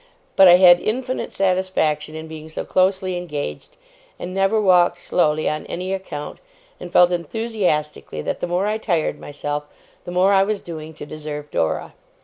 But I had infinite satisfaction in being so closely engaged, and never walked slowly on any account, and felt enthusiastically that the more I tired myself, the more I was doing to deserve Dora.